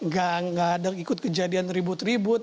gak ada yang ikut kejadian ribut ribut